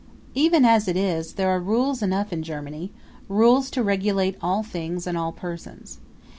Even as it is, there are rules enough in Germany, rules to regulate all things and all persons.